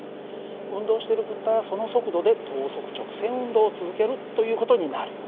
運動している物体はその速度で等速直線運動を続けるという事になるよね。